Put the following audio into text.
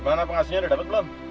gimana pengasuhnya udah dapet belum